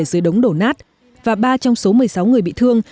dưới đống đổ nát và ba trong số một mươi sáu người bị thương